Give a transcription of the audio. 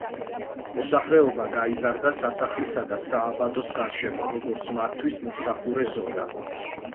მოსახლეობა გაიზარდა სასახლისა და სააბატოს გარშემო, როგორც მათთვის მომსახურე ზონა.